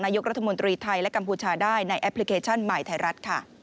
ยกรัฐมนตรีไทยและกัมพูชาได้ในแอปพลิเคชันใหม่ไทยรัฐค่ะ